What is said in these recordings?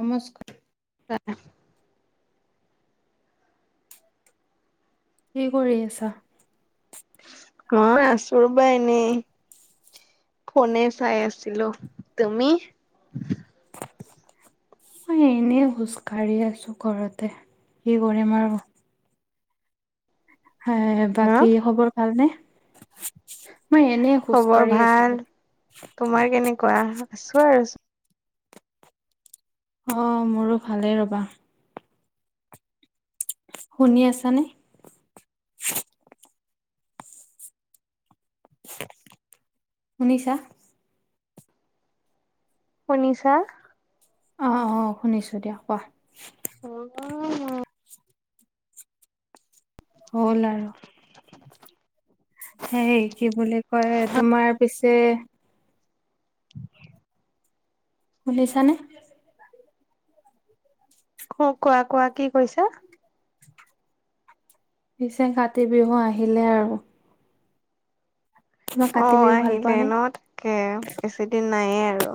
নমস্কাৰ [unintelligible] কি কৰি আছা। মই আছো ৰবা এনেই। ফোনে চাই আছিলো তুমি। মই এনেই খোজ কঢ়ি আছো ঘৰতে কি কৰিম আৰু। হয় হা বাকী খবৰ ভাল নে? মই এনেই খোজ খবৰ কঢ়ি ভাল আছিলোঁ। তোমাৰ কেনেকুৱা, আছো আৰু। অ মোৰো ভালেই ৰবা। শুনি আছা নে। শুনিছা। শুনিছা। অ' অ শুনিছোঁ দিয়া কোৱা। [unintelligible] হ'ল আৰু। সেই কি বুলি কয় তোমাৰ পিছে [inaudible] শুনিছা নে। অ কোৱা কোৱা কি কৈছা। পিছে কাতি বিহু আহিলে আৰু। তোমাৰ অ কাতি বিহু ভাল পোৱা আহিলে নে? ন তাকে বেছি দিন নায়ে আৰু।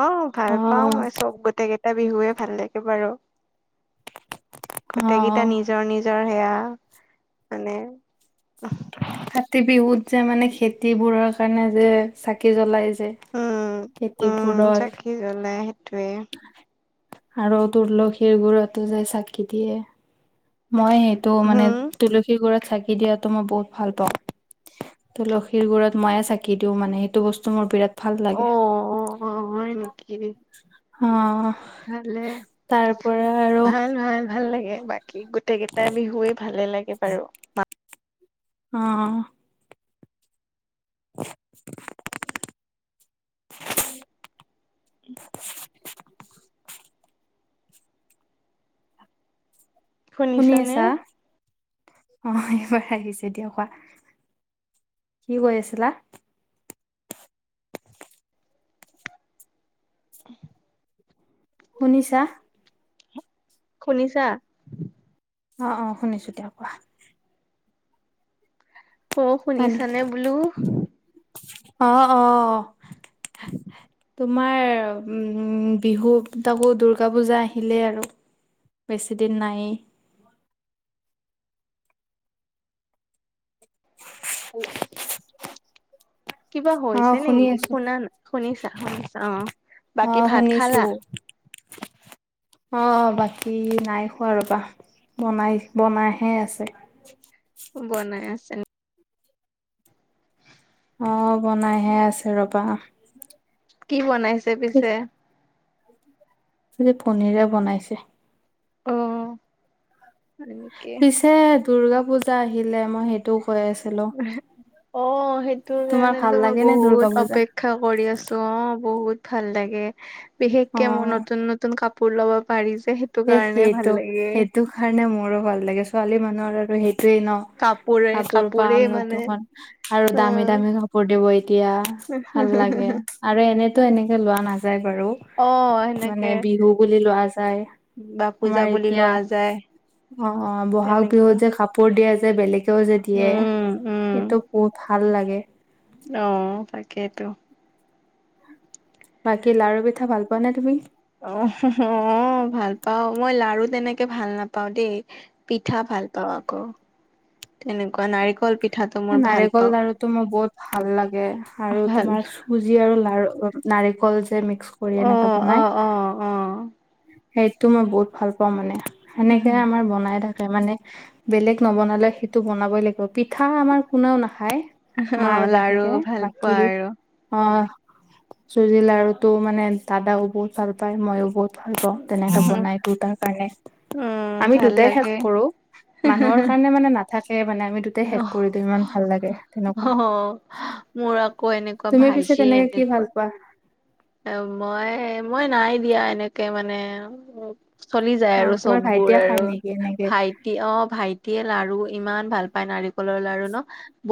অ ভাল পাওঁ অ' মই চব গোটেই কেইটা বিহুৱে ভাল লাগে বাৰু। গোটেই কেইটা অ' নিজ নিজৰ নিজৰ সেয়া মানে কাতি বিহুত যে মানে খেতি বোৰৰ কাৰণে যে চাকি জ্বলাই যে উম খেতি উম বোৰত চাকি জ্বলাই সেইটোৱে। আৰু তুলসী গুৰতো যাই চাকি দিয়ে। মই সেইটো মানে হম তুলসী গুৰত চাকি দিয়াটো মই বহুত ভাল পাওঁ। তুলসীৰ গুৰত মইয়ে চাকি দিও মানে সেইটো বস্তু মোৰ বিৰাট ভাল অ লাগে। অ অ' হয় নেকি? অঁহ'। ভালে ভাল ভাল ভাল লাগে। বাকী গোট গোটেইকেইটাই বিহুৱেই ভালে লাগে বাৰু! অঁহ'। [inaudible] উম'। শুনি শুনিছানে আছা? অ' এইবাৰ আহিছে দিয়া কোৱা। কি কৈ আছিলা? [inaudible] শুনিছা? শুনিছা? অ' অ' শুনিছো, এতিয়া কোৱা। অ' শুনিছানে বোলো? অ' অ'। [inaudible] তোমাৰ উম বিহু তাকো দূৰ্গা পূজা আহিলেই আৰু। বেছিদিন নাইয়ে। হেল্ল'! [inaudible] কিবা হৈছে অ' শুনি নেকি আছো। শুনা নাই শুনিছা শুনিছা? অ' বাকী অ' ভাত খালা শুনিছো। অঁহ' বাকী নাই খোৱা ৰ'বা! বনাই বনাইহে আছে। বনাই আছে। অ' বনাইহে আছে ৰ'বা। কি বনাইছে পিছে? আজি পনীৰে বনাইছে। অ এনেকে পিছে দূৰ্গা পুজা আহিলে মই সেইটোও কৈ আছিলো। অ' সেইটোৰ তোমাৰ ভাল কাৰণেতো মই লাগে নে দুৰ্গা বহুত পূজা অপেক্ষ ক্ষা কৰি আছো। অ' বহুত ভাল লাগে অ বিশেষকে মই নতুন ন নতুন কাপোৰ ল'ব পাৰি যে। এ কাৰণে ভাল সেইটো লাগে সেইটো কাৰণে মোৰো ভাল লাগে, ছোৱালী মানুহৰ আৰু সেইটোৱেই ন। কাপোৰে কাপোৰ কাপোৰে পাম মানে নতুন, আৰু দামী দামী কাপোৰ দিব এতিয়া। ভাল লাগে আৰু অ এনেতো এনেকে লোৱা নাযায় বাৰু। অ সেনেকে মানে বিহু বুলি লোৱা যায়। বা পূজা আমাৰ বুলি লোৱা এতিয়া, যায় অ' অ' বহাগ তেনেকুৱা বিহুত যে কাপো কাপোৰ দিয়ে যে বেলেগেও যে দিয়ে উম উম সেইটো বহুত ভাল লাগে। অ' তাকেইটো! বাকী লাৰু-পিঠা ভাল পোৱা নে তুমি? অ' অঁহ ভাল পাও, মই লাৰু তেনেকে ভাল নাপাও দেই। পিঠা ভাল পাওঁ আকৌ। তেনেকুৱা নাৰিকল পিঠ নাৰিকল লাৰুটো মোৰ বহুত ভাল লাগে আৰু ভাল তোমাৰ [unintelligible] আৰু লাৰু নাৰিকল যে মিক্স কৰি অ এনেকে অ বনাই। অ অ সেইটো মই বহুত ভাল পাও মানে, সেনেকে আমাৰ বনাই থাকে। মানে বেলেগ নবনালে সেইটো বনাবই লাগিব, পিঠা আমাৰ কোনেও নাখায়। অ মাৰ লাৰু বাহিৰে ভাল পোৱা বাকী আৰু অ চুজি লাৰুটো মানে দাদাও বহুত ভাল পায় মইও বহুত ভাল পাওঁ তেনেকে বনাই দুইটাৰ কাৰণে উম আমি ভাল দুটাই শেষ লাগে কৰো মানুহৰ কাৰণে মানে নাথাকে মানে আমি দুটাই অ শেষ কৰি দিওঁ ইমান ভাল লাগে তেনেকুৱা মোৰ আকৌ এনেকুৱা তুমি পিছে ভাইটি তেনেকে কি এনেকুৱা ভাল পোৱা এ মই মই নাই দিয়া এনেকে মানে উম চলি যায় অ আৰু তোমাৰ চববোৰ ভাইটিয়ে খাই আৰু নেকি এনেকে ভাইটি অ ভাই টিয়ে লাৰু ইমান ভাল পাই নাৰিকলৰ লাৰু ন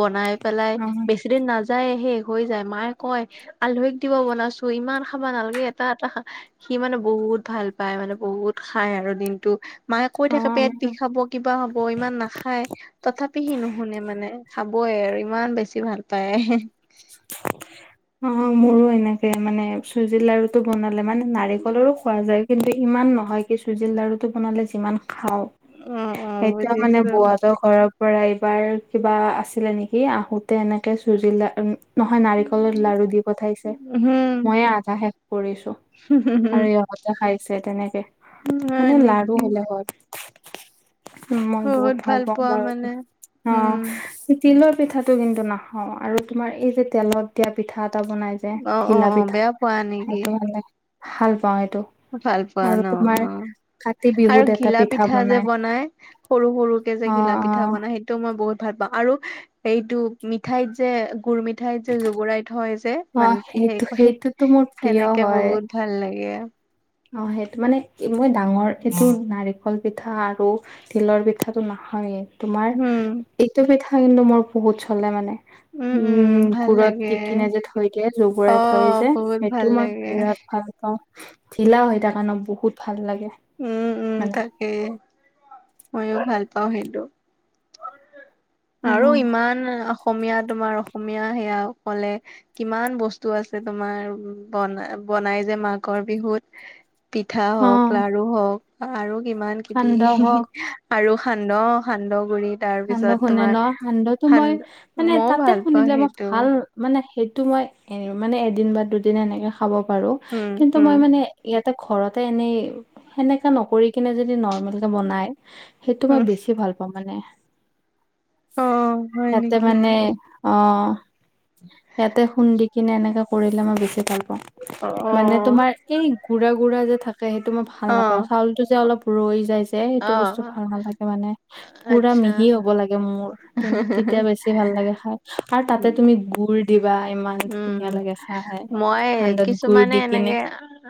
বনাই পেলাই অ বেছি দিন নাযায় নাযায় শেষ হৈ যায় মায়ে কয় আলহীক দিব বনাইছো ইমান খাব নালাগে এটা এটা সি মানে বহুত ভাল পায় মানে বহুত খাই আৰু দিনটো মায়ে কৈ অ থাকে পেট আমাৰো বিষাব। কিবা হ'ব ইমান নাখায়। তথাপি সি নুশুনে মানে খাবই আৰু ইমান বেছি ভাল পায় হে। অ মোৰো এনেকে মানে চুজি লাৰুটো বনালে মানে নাৰিকলৰো খোৱা যায় কিন্তু ইমান নহয় কি চুজিৰ লাৰুটো বনালে যিমান। খাও অ অ এতিয়া মানে বুজিছো বৌহত হতৰ ঘৰৰ পৰা এইবাৰ কিবা আছিলে নেকি, আহোতে এনেকে চুজি লাৰু নহয় নাৰিকলৰ লাৰু দি পঠাইছে মইয়ে আধা শেষ কৰিছো। উম হুম আৰু হুম। ইহঁতে খাইছে তেনেকে মানে লাৰু নেকি হলে হল। উম মই বহুত ভাল পাওঁ লাৰুটো উম অ। তিলৰ পিঠাটো কিন্তু নাখাও আৰু তোমাৰ এই যে তেলত দিয়া পিঠা এটা বনাই যে। যে অ অ ঘিলা অ পিঠা বেয়া পোৱা নেকি সেইটো মানে ভাল পাওঁ এইটো। ভাল পোৱা ন অ। কাতি আৰু বিহুত এটা ঘিলা পিঠা যে বনাই সৰু সৰুকে যে অ ঘিলা অ পিঠা বনাই টো মই বহুত ভাল পাওঁ আৰু এইটো মিঠাইত যে গুৰ মিঠাইত যে জুবুৰাই থয় যে। অ মানতি হেৰি সেইটো সেইটোতো হেৰিত মোৰ প্ৰিয় সেনেকে হয় বহুত ভাল লাগে। অ সেইটো মানে মই ডাঙৰ এইটো নাৰিকল পিঠা আৰু তিলৰ পিঠাটো নাখাওঁয়েই তোমাৰ উম এইটো পিঠা কিন্তু মোৰ বহুত চলে মানে উম উম ইয়ে ভাল গুৰত লাগে দি কিনে যে থৈ দিয়ে অ জুবুৰাই থয় যে বহুত ভাল সেইটো মই লাগে বিৰাট ভাল পাওঁ। ঢিলা হৈ থাকে ন বহুত ভাল লাগে। উম উম মানে তাকে মইও ভাল পাওঁ সেইটো। অ আৰু ইমান অসমীয়া তোমাৰ অসমীয়া সেয়া সকলে কিমান বস্তু আছে তোমাৰ বনা বনাই যে মাঘৰ বিহুত। পিঠা অ হওক লাৰু হওক আৰু কিমান কিবি সান্দহ হি হওক হি আৰু সান্দহ সান্দহ গুৰি তাৰ সান্দহ পিছত খুন্দে তোমাৰ ন সান্দহটো মই সান্দ মানে মইও তাতে ভাল পাওঁ খুন্দিলে মই সেইটো ভাল। মানে সেইটো মই এ মানে এদিন বা দুদিন এনেকে খাব পাৰো উম কিন্তু উম মই মানে। ইয়াতে ঘৰতে এনেই সেনেকা নকৰি কিনে যদি নৰ্মেল কে বনাই। সেইটো মই উম বেছি ভাল পাওঁ মানে। অ হয় ইয়াতে নেকি মানে। অ ইয়াতে খুন্দি কিনে এনেকে কৰিলে, মই বেছি ভাল পাওঁ। অ অ মানে তোমাৰ এই গুড়া গুড়া যে থাকে সেইটো মই ভাল অ নাপাওঁ চাউলটো যে অলপ। ৰৈ যায় যে সেইটো অ বস্তু ভাল নালাগে মানে পুৰা আচ্ছা মিহি। ঘি হ'ব লাগে মোৰ তে তেতিয়া বেছি ভাল লাগে খাই আৰু তাতে তুমি গুড় দিবা ইমান। উম ধুনীয়া লাগে খাই মই সান্দত গুড় কিছুমানে দি কিনে। এনেকে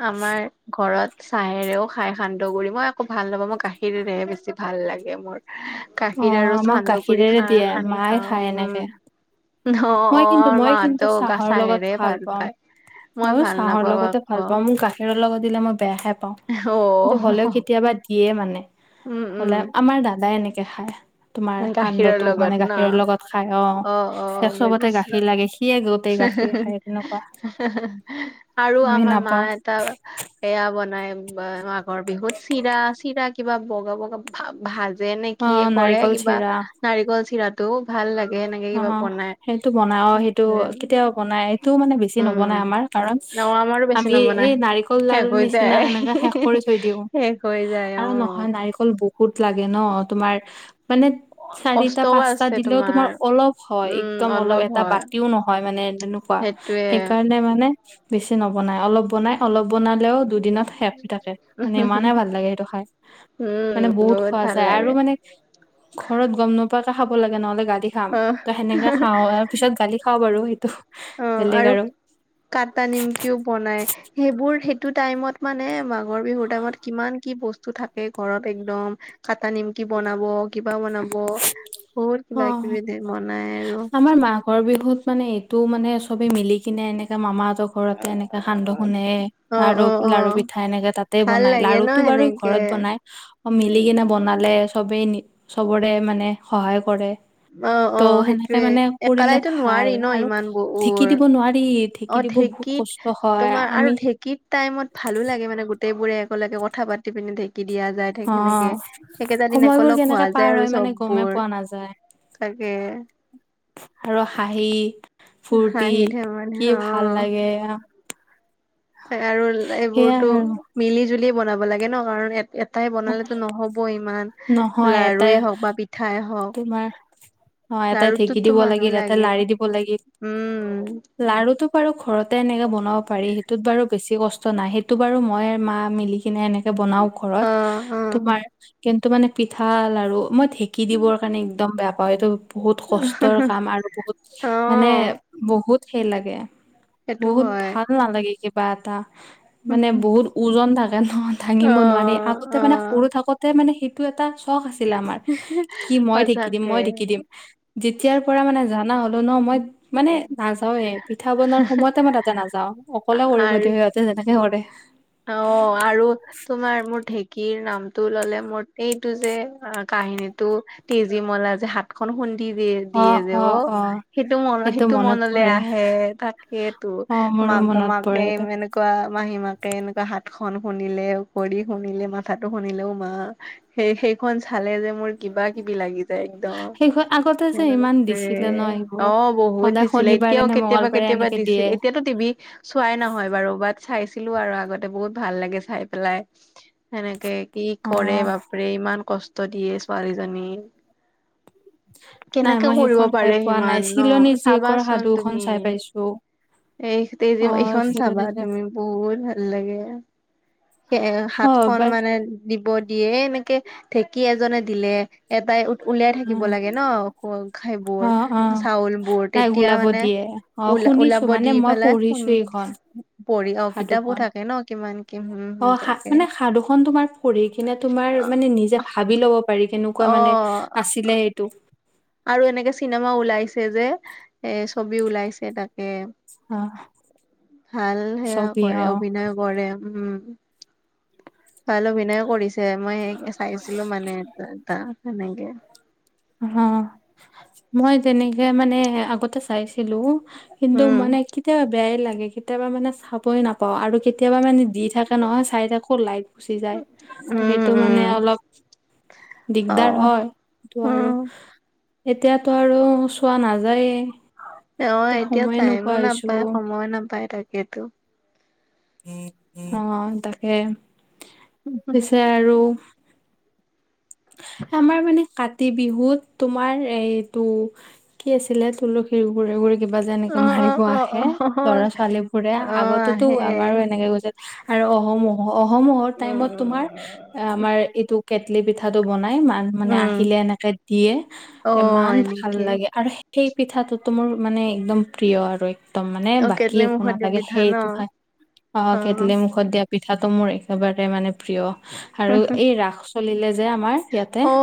আমাৰ ঘৰত চাহেৰেও খাই সান্দহ গুড়ি মই আক ভাল নাপাওঁ মই গাখীৰেহে বেছি ভাল লাগে মোৰ। অ গাখীৰ আৰু আমাক সান্দহ গুড়ি গাখীৰেৰে খাৰ দিয়ে সানি মায়ে খাওঁ খায় উম। এনেকে উম অ মই অ কিন্তু মই মাত কিন্তু চাহৰ লগত ভাল পাওঁ মই মইয়ো ভাল চাহৰ নাপাওঁ লগতে ভাল আকৌ পাওঁ মো গাখীৰৰ লগত দিলে মই বেয়াহে পাওঁ অ কিন্তু হ'লেও কেতিয়াবা দিয়ে মানে উম উম হ'লে আমাৰ দাদাই এনেকে খায়। তোমাৰ গাখীৰৰ সান্দহটো মানে লগত ন গাখীৰৰ লগত খাই অ সে চবতে গাখীৰ লাগে সিয়ে গোটেই হে হে গাখীৰ হে খায় তেনেকুৱা হে হে আৰু আমি আমাৰ মা নাপাওঁ এটা সেয়া বনাই মাঘৰ বিহুত চিৰা চিৰা কিবা বগা বগা ভা ভা জে নে অ কিয়ে কৰে নাৰিকল কিবা চিৰা নাৰিকল চিৰাটো ভাল লাগে এনেকে কিবা বনাই টো বনাও সেইটো কেতিয়াবা বনাই টো মানে বেছি নবনাই উম আমাৰ কাৰণ অ আমাৰো বেছি আমি নবনাই এই নাৰিকল শেষ লাৰুৰ হৈ নিচিনা যায় এনেকে শেষ কৰি থৈ দিওঁ শেষ হৈ যায় অ অকল বহুত লাগে ন তোমাৰ মানে চাৰিটা, কষ্টও পাঁচটা আছে দিলেও তোমাৰ অলপ হয় উম একদম অলপ এটা হয় বাতিও নহয় মানে তেনেকুৱা সেইটোয়ে সেইকাৰণে মানে বেছি নবনায় অলপ বনাই অলপ বনালেও দুদিনত শেষ হৈ থাকে মানে ইমানে ভাল লাগে সেইটো খাই উম মানে বহুত খোৱা ভাল যায় আৰু লাগে মানে ঘৰত গম নোপোৱাকে খাব লাগে নহ'লে গালি খাম অ ত সেনেকে খাওঁ আৰু পিছত গালি খাওঁ বাৰু সেইটো অ আৰু কটা নিমকিও বনাই সেইবোৰ সেইটো টাইমত মানে মাঘৰ বিহুৰ টাইমত কিমান কি বস্তু থাকে ঘৰত একদম কটা নিমকি বনাব কিবা বনাব বহুত অ কিবা অ কিবি বনাই আৰু আমাৰ মাঘৰ বিহুত মানে এইটোও মানে চবে মিলি কিনে এনেকাে মামাহঁতৰ ঘৰতে এনেকে সান্দহ খোন্দে অ লাৰু অ অ লাৰু পিঠা এনেকে তাতে ভাল বনাই লাগে ন লাৰুটো বাৰু সেনেকে ঘৰত বনাই অ মিলি উম কিনে বনালে চবেই নি চবৰে মানে সহায় কৰে অ অ ত' সেনেকে সেইটোয়ে মানে কৰিলে একেলাইতো নোৱাৰি ভাল ন আৰু ইমান ঢেঁকি বোৰ দিব নোৱাৰি অ ঢেঁকি দিব বহুত কষ্ট হয় আমি কিত টাইমত ভালো লাগে মানে গোটেইবোৰে একেলগে কথা পাতি পিনে ঢেঁকি‌ দিয়া যায় গোটেই অ খিনিকে সেইকেইটা দিন সময়বোৰ একেলগ হোৱা কেনেকে যায় পাৰ আৰু হয় চব মানে গমেই বোৰ পোৱা নাযায় তাকে আৰু হাঁহি, ফুৰ্তি হাঁহি ধেমালি কি অ ভাল লাগে আ আৰু সেয়াই এইবোৰতো আৰু মিলি জুলি বনাব লাগে ন কাৰণ এ এটাই বনালেতো নহ'ব ইমান নহয় এটাই লাৰুৱে হওঁক বা পিঠাই হওঁক তোমাৰ অ এটাই ঢেঁকী দিব মানুহ লাগিল এটাই লাগে লাৰি দিব লাগিল উম লাৰুটো বাৰু ঘৰতে এনেকে বনাব পাৰি সেটোত বাৰু বেছি কষ্ট নাই সেইটো বাৰু মই মা মিলি কিনে এনেকে বনাও অ ঘৰত অ তোমাৰ কিন্তু মানে পিঠা, লাড়ু মই ঢেঁকী দিবৰ কাৰণে একদম বেয়া পাওঁ এইটো বহুত কষ্টৰ কাম আৰু বহুত অ মানে বহুত সেই লাগে সেইটো বহুত হয় ভাল নালাগে কিবা এটা মানে বহুত ওজন থাকে ন অ দাঙিব নোৱাৰি আগতে অ মানে সৰু থাকোতে মানে টো এটা চখ আছিলে আমাৰ কি মই ঢেঁকি দিম সঁচাকে মই ঢেঁকি দিম যেতিয়াৰ পৰা মানে জানা হলো ন মই মানে নাযাওৱে পিঠা বনোৱাৰ সময়তে মই তাতে নাযাও অকলে কৰিব আৰু দিওঁ সিয়াত তে যেনেকে কৰে অ আৰু তোমাৰ মোৰ ঢেঁকীৰ নামটো ললে মোৰ এইটো যে কাহিনীটো তেজীমলাৰ যে হাতখন খুন্দি দিয়ে অ দিয়ে যে অ অ সেইটো মন সেইটো মনত মনলে পৰে আহে তাকেইতো অ মোৰো মাক মনত মাকে পৰে এইটো মানে কুৱা মাহী মাকে এনেকুৱা হাত খন খুন্দিলে, ভৰি খুন্দিলে, মাথাটো খুন্দিলে অ মা সেই সেইখন চালে যে মোৰ কিবা কিবি লাগি যায় একদম সেই আগতে যে ইমান দিছিলে ন অ এইবোৰ বহুত দি সদায় ছিলে শনিবাৰে এতিয়াও নে কেতিয়াবা মংগলবাৰে কেতিয়াবা এনেকে দিছিল দিয়ে এতিয়াতো টিভি চোৱাই নহয় বাৰু বাত চাইছি লোঁ আৰু আগতে বহুত ভাল লাগে চাই পেলাই, সেনেকে কি অ কৰে বা ৰে ইমান কষ্ট দিয়ে ছোৱালীজনী। নাই কেনেকে মই কৰিব সেইখন চাই পাৰে পোৱা নাই। সিমান ন চিলনী জীয়েকৰ চাবাচোন সাধুখন তুমি চাই পাইছো। এই তেজী অ এইখন চাবা চিলনী জীয়েক তুমি বহুত ভাল লাগে। সে অ হাতখন বাট মানে দিব দিয়ে এনেকে ঢেঁকী এজনে দিলে এটাই উ উলিয়াই অ থাকিব লাগে ন সেইবোৰ অ অ চাউল বোৰ তাইক তেতিয়া ওলাব মানে দিয়ে, অ ওলা শুনিছো ওলাব মান দি পেলাই শুনি পঢ়ি অ কিতাপো সাধুখন থাকে ন কিমান কি হম অ হম সা তাকে মানে সাধুখন তোমাৰ পঢ়ি কিনে তোমাৰ মানে নিজে ভাবি ল'ব পাৰি কেনেকুৱা অ মানে আছিলে এইটো। আৰু এনেকে চিনেমাও ওলাইছে যে এ ছবি ওলাইছে তাক কে অ ভাল সেয়া ছবি অ কৰে অভিনয় কৰে উম। ভাল অভিনয় কৰিছে মই সে চাইছিলো মানে তাক সেনেকে। হ মই তেনেকে মানে আগতে চাইছিলো। কিন্তু উম মানে কেতিয়াবা বেয়াই লাগে কেতিয়াবা মানে চাবই নাপাওঁ আৰু কে তিয়াবা মানে দি থাকা নহয় চাই থাকো লাইক গুচি যায় ত উম সেইটো মানে উম অলপ অ দিগদাৰ হয়। ত আৰু উম এতিয়াতো আৰু চোৱা নাযায়ে। অ এতিয়া সময়ে নোপোৱা টাইমো নাপায়, হৈছো সময়ো নাপায় তাকেতো। অ তাকে পিছে আৰু আমাৰ মানে কাতি বিহুত তোমাৰ এইটো কি আছিলে তুলসীৰ ঘূৰি ঘূৰি কিবা যে অ এনেকে অ মাৰিব অ আহে অ ল'ৰা-ছোৱালী বোৰে, অ আগতেতো আহে আমাৰো এনেকে গৈছিল আৰু অহ মহ অহমহৰ টাইমত তোমাৰ উম আমাৰ এইটো কেটলি পিঠা টো বনাই মান মানে উম আহিলে এনেকে দিয়ে অ ইমান ভাল এনেকে লাগে, আৰু সেই সেই পিঠাটোতো মোৰ মানে একদম প্ৰিয় আৰু। একদম মানে অ বাকী কেটলি একো মুখত দিয়া নালাগে পিঠা ন সেইটো খাই অ কেটলিৰ মুখত দিয়া পিঠাটো মোৰ একেবাৰে মানে প্ৰিয়। আৰু এই ৰাস চলিলে যে আমাৰ ইয়াতে অ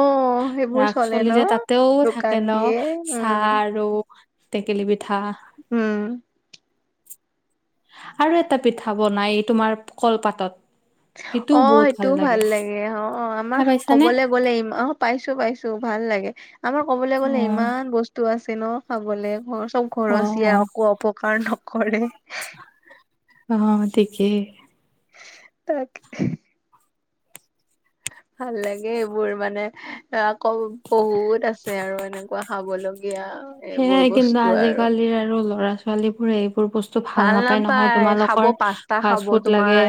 সেইবোৰ ৰাস চলে ন চলিলে তাতেও দোকান থাকে ন দিয়ে উম চাহ আৰু টেকেলি পিঠা। উম। আৰু এটা পিঠা বনাই তোমাৰ কলপাতত। অ সেইটোও ভাল লাগে অ খাই আমাৰ পাইছানে কবলে গলে ইমা পাইছো পাইছো ভাল লাগে। আমাৰ কবলে অ গ'লে ইমান বস্তু আছে ন চাবলে, ঘৰ চব অ ঘৰচীয়া অ একো অপকাৰ নকৰে। অ, ঠিকেই। তাক ভাল লাগে এইবোৰ মানে, আকৌ বহুত আছে আৰু এনেকুৱা খাবলৈ। গিয়া। সয়াই কিন্তু আজিকালিৰ আৰু ল'ৰা-ছোৱালী বোৰে এইবোৰ বস্তু ভাল নাপায় নহয়, খাব তোমালোকৰ পাস্তা খাব ফাষ্ট ফুড লাগে। তোমাৰ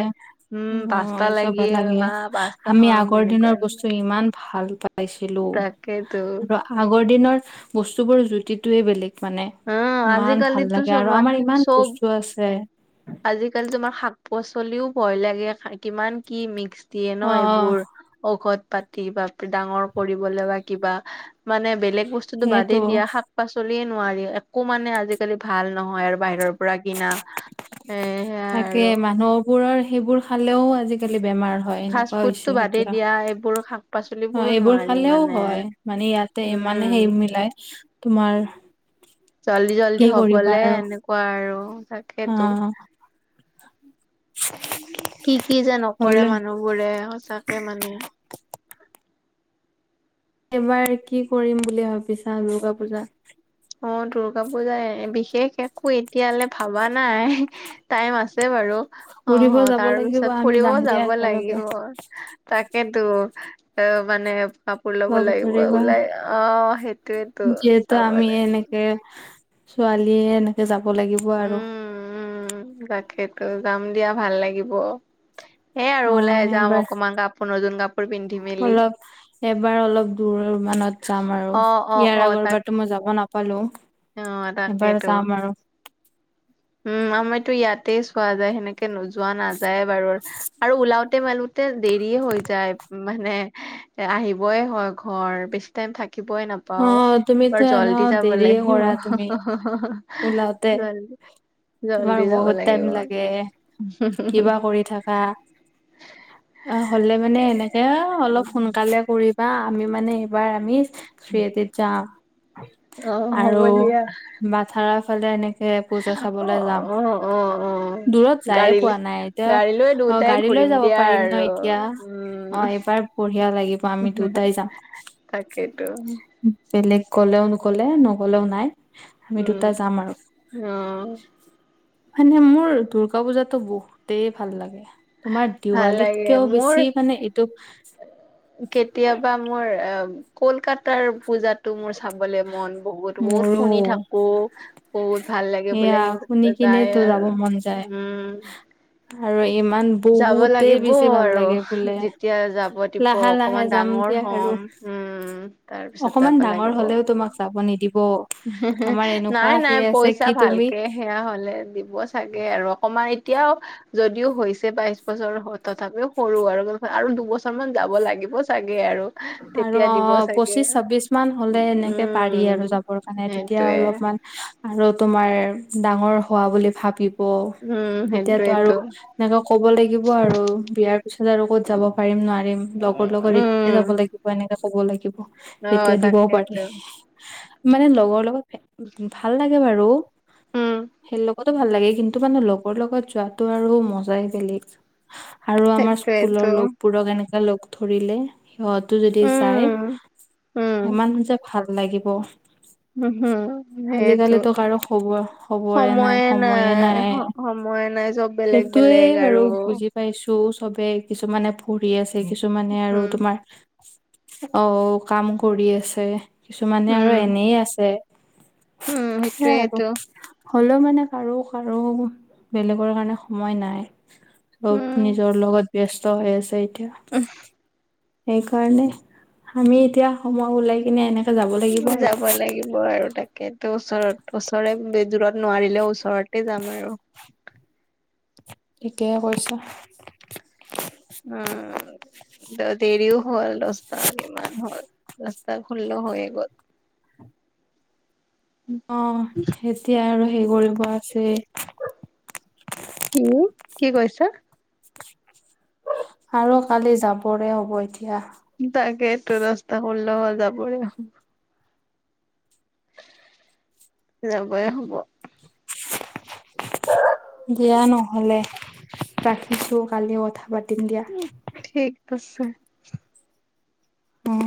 উম অ, পাস্তা এই চবে লাগে, মা পাস্তা আমি খাম আগৰ এনেকুৱা দিনৰ বস্তু ইমান ভাল পা পাইছিলো তাকেতো আৰু আগৰ দিনৰ বস্তু বোৰ জুতিটোয়ে বেলেগ। মানে, অ ইমান ভাল আজিকালিতো লাগে চব আৰু আমাৰ ইমান চব বস্তু আছে। আজিকালি তোমাৰ শাক-পাচলিও ভয় লাগে, কিমান কি মিক্স দিয়ে ন, অ', এইবোৰ। ঔষধ পাতি বা ডাঙৰ কৰিবলে বা কিবা। মানে বেলেগ বস্তুতটো সেইটো বাদেই দিয়া, শাক পাচলিয়ে নোৱাৰি, একো মানে আজিকালি ভাল নহয় আৰু বাহিৰৰ পৰা কিনা। এ সেয়াই তাকে আৰু মানুহবোৰৰ সেইবোৰ খালেও, আজিকালি বেমাৰ। হয় ফাষ্ট এনেকুৱা ফুডটো হৈছে বাদেই এতিয়া। দিয়া এইবোৰ শাক অ, পাচলিবোৰো এইবোৰ নোৱাৰি খালেও মানে হয়। মানে ইয়াতে ইমানে উম হেৰি মিলাই তোমাৰ জলদি, কি জলদি কৰিবা হ'বলে আৰু এনেকুৱা আৰু অ, তাকেতো কি কি যে নকৰে, হ'লে মানুহবোৰে সঁচাকে মানে। এইবাৰ কি কৰিম বুলি ভাবিছা, দুৰ্গা পূজাত? অ, দুৰ্গা পূজাত বিশেষ একো এতিয়ালৈ ভবা নাই। টাইম আছে বাৰু। অ, ফুৰিব অ, যাব তাৰ লাগিব পিছত আমি ফুৰিব যাম দিয়া যাব একেলগে লাগিব। তাকেতো অ, মানে কাপোৰ ল'ব লগ লাগিব ধৰিবা ওলাই অ, সেইটোৱেইটো চাবলে। তে, ছোৱালীয়ে এনেকে যাব লাগিব আৰু। সেইটো যাম দিয়া, ভাল লাগিব এই আৰু অ ওলাই যাম এবাৰ অকণমান কা নতুন কাপোৰ পিন্ধি মেলি অলপ এবাৰ অলপ দূৰ মানত যাম আৰু অ অ ইয়াৰ অ তাক আগৰবাৰটো মই যাব না পালো অ এইবাৰ তাকেইতো যাম আৰু। উম, আমাৰতো ইয়াতে চোৱা যায়, সেনেকে। যোৱা নাযায় বাৰু আৰু ওলাওঁতে, মেলোতে দেৰিয়ে হৈ যায়। মানে এই আহিবই হয় ঘৰ। বেছি টাইম থাকিবই অ নাপাওঁ, তুমিতো বাৰ এনে জলদি যাব দেৰিয়ে লাগিব। কৰা তুমি ওলাওতে [unintelligible] তোমাৰ জল্দি যাব বহুত লাগিব টাইম লাগে, কিবা কৰি থাকা? অ, হ'লে মানে এনেকে, অলপ সোনকালে কৰি বা আমি মানে এইবাৰ আমি, চিত্ৰিত যাম। অ, হ'ব দিয়া। ঢাৰাফালে এনেকে, পূজা অ চাবলৈ যাম। অ অ অ দূৰত যায়ে পোৱা গাড়ীলৈ নাই এতিয়া গাড়ী লৈ অ, দুটাই গাড়ী লৈ ঘূৰিম যাব দিয়া পাৰিম ন, আৰু এতিয়া। অ, এইবাৰ বঢ়িয়া লাগিব, আমি উম দুটাই যাম। তাকেইতো বেলেগ গলেও নগ'লে, নগ'লেও নাই। আমি উম দুটা যাম আৰু। অ মানে মোৰ দুূৰ্গা পূজাটো বহুতেই ভাল লাগে। তোমাৰ ভাল লাগে দেৱালীতকেও মোৰ বেছি মানে এইটো কেতিয়াবা মোৰ কলকাতাৰ পূজাত টো মোৰ চাবলে মন, বহুত, বহুত মোৰো শুনি থাকো। বহুত ভাল লাগে এয়া বোলে শুনি কিন্তু যায় কিনেতো যাব আৰু মন যায় উম। আৰু ইমান যাব বহুতেই লাগিব বেছি ভাল আৰু লাগে বোলে যেতিয়া যাব দিব লাহে লাহে অকণমান যাম ডাঙৰ দিয়া হম। উম, তাৰপিছত অকণমান ডাঙৰ হলেও তোমাক যাব নিদিব। আমাৰ এনেকুৱা নাই, নাই সেই আছে পইচা কি তুমি ভালকে সেয়া হলে দিব। চাগে আৰু অকমান এতিয়াও, যদিও হৈছে বাইশ বছৰ, তথাপিও সৰু আৰু আৰু দুবছৰ মান যাব লাগিব চাগে আৰু। আৰু তেতিয়া অ, দিব চাগে পঁচিশ ছাব্বিশ মান হলে এনেকে পাৰি উম আৰু যাবৰ কাৰণে। মানে তেতিয়া সেইটোৱে অলপমান আৰু তোমাৰ ডাঙৰ হোৱা বুলি ভাবি ব উম তেতিয়াতো আৰু। সেইটোৱেতো এনেকে ক'ব লাগিব আৰু বিয়াৰ পিছত আৰু ক'ত যাব পাৰিম নোৱাৰিম লগৰ লগত এতিয়া উম যাব লাগিব। এনেকে কব লাগিব, অ তেতিয়া দিবও পাৰে। তাকেইতো মানে লগৰ লগত ভাল লাগে বাৰু। উম সেই [unintelligible] লগতো ভাল লাগে কিন্তু মানে লগৰ লগত যোৱাটো আৰু মজাই বেলেগ। আৰু আমাৰ স্কুলৰ সেইটোৱেতো লগৰবোৰক এনেকে লগ ধৰিলে সিহঁত, টো যদি যায়। উম উম ইমান যে ভাল লাগিব। উম, হম, সেইটো আজিকালিতো কাৰো খবৰ খবৰে নাই সময়ে নাই। সময়ে নাই চব বেলেগ, সেইটোয়ে বেলেগ বাৰু আৰু। বুজি পাইছো চবে কিছুমানে পঢ়ি আছে। কিছুমানে আৰু উম তোমাৰ অ, কাম কৰি আছে। কিছুমানে আৰু উম। এনে আছে। উম, সেইয়াই আৰু। সেইটোয়েইটো হ'লেও মানে কাৰো, কাৰো বেলেগৰ কাৰণে সময় নাই। সব উম। নিজৰ লগত ব্যস্ত হৈ আছে এতিয়া। উম। সেইকাৰণে আমি এতিয়া সময় উওলাই কিনে এনে। যাব লাগিব আৰু তাকে। ওচৰত, ওচৰে দূৰত নোৱাৰিলে ওচৰতে যাম আৰু। ঠিকে কৈছা। উম। দেৰিও হ'ল, দশটা কিমান হ'ল দশটা ষোল্ল হৈয়ে গ'ল। উ [unintelligible] অ, এতিয়া আৰু হে কৰিব আছেই। কি, কি কৈছা? আৰু কালি যাবৰে হ'ব এতিয়া। তাকেইটো দশটা ষোল্লহল যাবৰে হল। যাবই হ'ব। দিয়া নহ'লে ৰাখিছোঁ কালি কথা পাতিম দিয়া। ঠিকআছে। উ'ম।